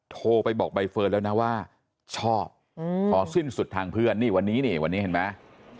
โทรไปบอกใบเฟิร์นแล้วนะว่าชอบพอสิ้นสุดทางเพื่อนนี่วันนี้นี่วันนี้เห็นไหม